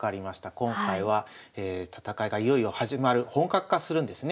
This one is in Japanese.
今回は戦いがいよいよ始まる本格化するんですね。